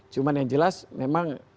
cuma yang jelas memang